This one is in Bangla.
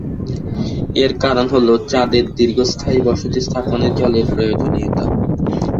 এর কারণ হল, চাঁদের দীর্ঘস্থায়ী বসতি স্থাপনে জলের প্রয়োজনীয়তা।